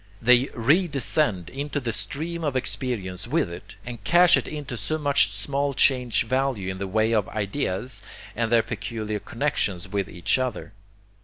They redescend into the stream of experience with it, and cash it into so much small change value in the way of 'ideas' and their peculiar connexions with each other.